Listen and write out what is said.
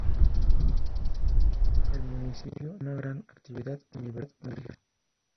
El municipio tiene una gran actividad universitaria.